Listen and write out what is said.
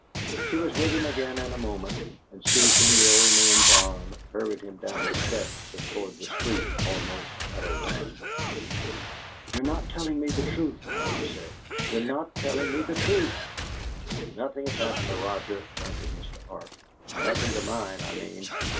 She was with him again in a moment, and seizing the old man's arm, hurried him down the steps and toward the street almost at a run. "You're not telling me the truth," she said. "You're not telling me the truth!" "Nothing has happened to Roger," panted Mr. Arp. "Nothing to mind, I mean.